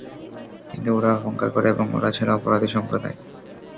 কিন্তু ওরা অহংকার করে এবং ওরা ছিল অপরাধী সম্প্রদায়।